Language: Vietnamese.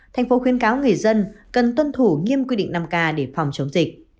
thành phố khuyến cáo người dân cần tuân thủ nghiêm quy định năm k để phòng chống dịch